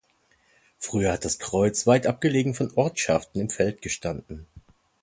Früher hat das Kreuz weit abgelegen von den Ortschaften im Feld gestanden.